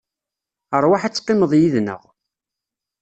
Rwaḥ ad teqqimeḍ yid-neɣ.